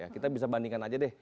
kita bisa bandingkan aja deh